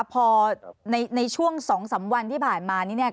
พอในช่วงสองสามวันที่ผ่านมาเนี่ยเนี่ย